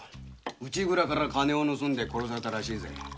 内蔵から金を盗んで殺されたらしいぜ。